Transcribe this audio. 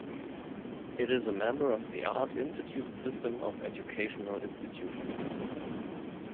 It is a member of The Art Institutes system of educational institutions.